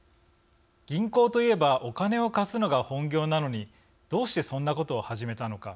銀行といえばお金を貸すのが本業なのにどうしてそんなことを始めたのか。